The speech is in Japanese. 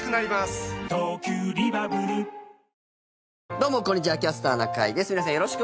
どうもこんにちは「キャスターな会」です。